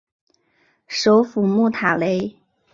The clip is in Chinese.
首府穆塔雷。